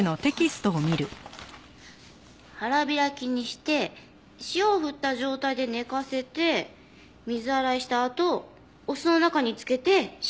腹開きにして塩をふった状態で寝かせて水洗いしたあとお酢の中に漬けてしめていく。